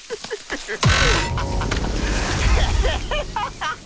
ハハハハ！